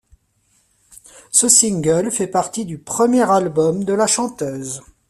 Ce single fait partie du premier album de la chanteuse.